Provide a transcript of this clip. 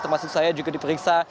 termasuk saya juga diperiksa